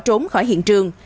họ trốn khỏi hiện trường